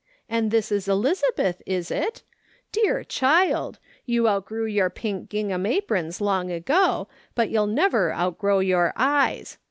And this is Elizabeth, is it ? Dear child ! you outgrew your pink gingham aprons long ago, but you'll never outgrow your eyes.